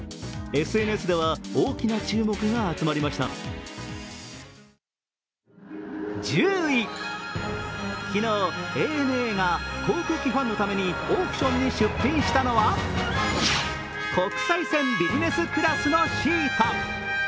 ＳＮＳでは大きな注目が集まりました１０位、昨日、ＡＮＡが航空機ファンのためにオークションに出品したのは国際線ビジネスクラスのシート。